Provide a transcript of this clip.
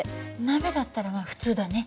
鍋だったらまあ普通だね。